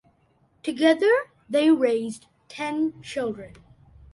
Together they raised ten children.